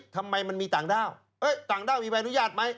ทำไมมันมีต่างด้าวต่างด้าวมีใบอนุญาตไหม